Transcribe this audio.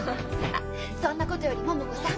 あっそんなことより桃子さん